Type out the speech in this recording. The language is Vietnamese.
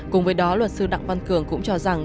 cùng với đó luật sư đặng văn cường cũng cho rằng